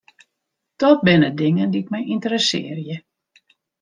Dat binne dingen dy't my ynteressearje.